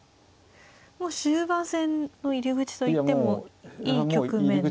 もう終盤戦の入り口と言ってもいい局面でしょうか。